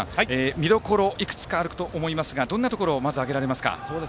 見どころはいくつかあると思いますがどんなところを挙げられますか。